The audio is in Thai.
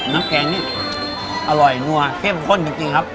แกงนี่อร่อยนัวเข้มข้นจริงครับ